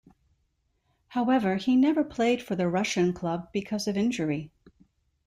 However, he never played for the Russian club because of injury.